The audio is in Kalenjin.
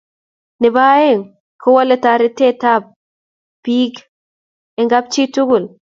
Nebo aeng ko walae taretet ab piikeng' kapchii tugul